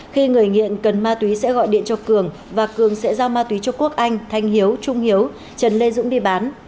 khi người nghiện cần ma túy sẽ gọi điện cho cường và cường sẽ giao ma túy cho quốc anh thanh hiếu trung hiếu trần lê dũng đi bán